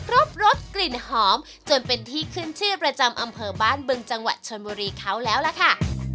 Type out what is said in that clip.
รสกลิ่นหอมจนเป็นที่ขึ้นชื่อประจำอำเภอบ้านบึงจังหวัดชนบุรีเขาแล้วล่ะค่ะ